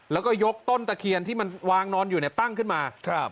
แล้วก็ยกต้นตะเคียนที่มันวางนอนอยู่เนี่ยตั้งขึ้นมาครับ